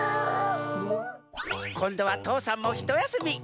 こんどは父山もひとやすみ。